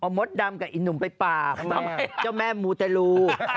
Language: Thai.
หมดดำกับอีหนุ่มไปปากจ้ะม่ะเจ้าแม่หมูแต่ลู